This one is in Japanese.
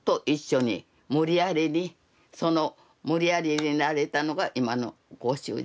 その無理やりになれたのが今のご主人。